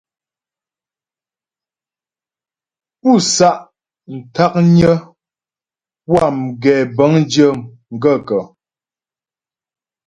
Pú sá'ntǎknyə́ pú a gɛbə̌ŋdyə́ m gaə̂kə́ ?